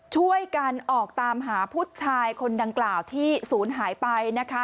ช่วยกันออกตามหาผู้ชายคนดังกล่าวที่ศูนย์หายไปนะคะ